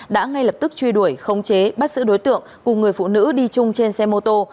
đã ngay lập tức truy đuổi khống chế bắt giữ đối tượng cùng người phụ nữ đi chung trên xe mô tô